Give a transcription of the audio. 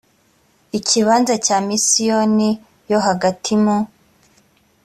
ikibanza cya misiyoni yo hagati mu